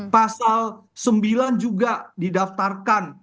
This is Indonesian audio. pasal sembilan juga didaftarkan